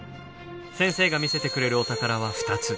先生が見せてくれるお宝は２つ。